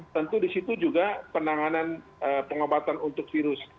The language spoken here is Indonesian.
tentu di situ juga penanganan pengobatan untuk virus